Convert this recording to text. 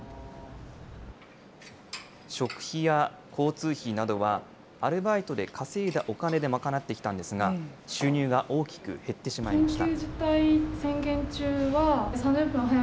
食費や交通費などは、アルバイトで稼いだお金で賄ってきたんですが、収入が大きく減ってしまいました。